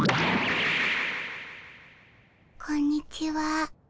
こんにちは。